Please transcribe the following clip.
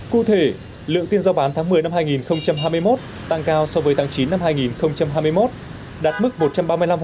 cụ thể lượng tiền giao bán tháng một mươi năm hai nghìn hai mươi một tăng cao so với tháng chín năm hai nghìn hai mươi một đạt mức một trăm ba mươi năm